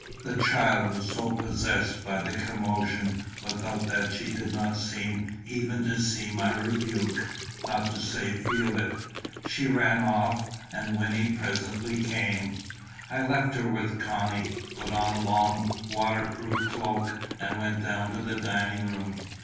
The child was so possessed by the commotion without that she did not seem even to see my rebuke, not to say feel it. She ran off, and Wynnie presently came. I left her with Connie, put on a long waterproof cloak, and went down to the dining room.